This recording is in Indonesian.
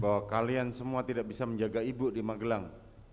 bahwa kalian semua tidak bisa menjaga ibu di magelang